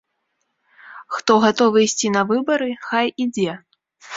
Хто гатовы ісці на выбары, хай ідзе.